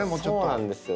そうなんですよ。